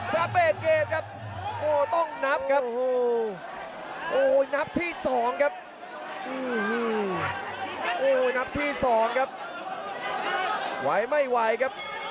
หาการตั้งเลี้ยวครับ